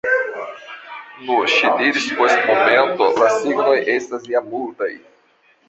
Nu, ŝi diris post momento, la signoj estas ja multaj.